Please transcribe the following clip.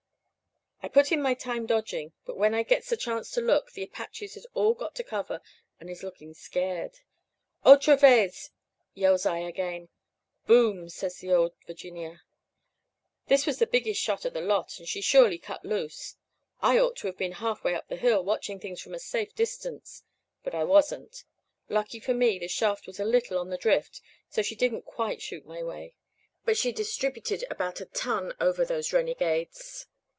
"I put in my time dodging, but when I gets a chance to look, the Apaches has all got to cover and is looking scared. "'Otra vez!' yells I again. "'Boom!' says the Ole Virginia. "This was the biggest shot of the lot, and she surely cut loose. I ought to have been halfway up the hill watching things from a safe distance, but I wasn't. Lucky for me the shaft was a little on the drift, so she didn't quite shoot my way. But she distributed about a ton over those renegades.